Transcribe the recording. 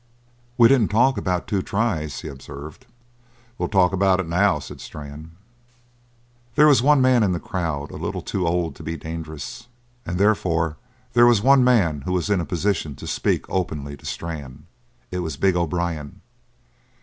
"We didn't talk about two tries," he observed. "We talk about it now," said Strann. There was one man in the crowd a little too old to be dangerous and therefore there was one man who was in a position to speak openly to Strann. It was big O'Brien.